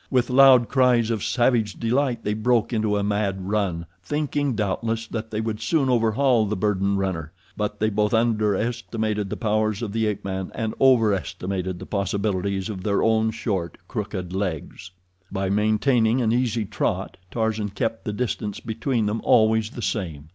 With loud cries of savage delight, they broke into a mad run, thinking doubtless that they would soon overhaul the burdened runner; but they both underestimated the powers of the ape man and overestimated the possibilities of their own short, crooked legs. By maintaining an easy trot, Tarzan kept the distance between them always the same.